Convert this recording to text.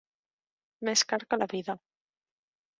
Més car que la vida.